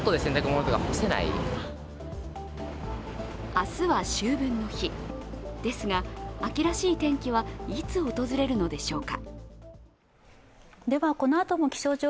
明日は秋分の日ですが、秋らしい天気はいつ訪れるのでしょうか。